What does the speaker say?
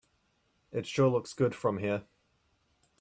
It sure looks good from here.